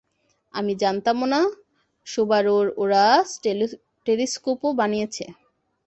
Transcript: আমি জানতামও না সুবারুর ওরা টেলিস্কোপও বানিয়েছে!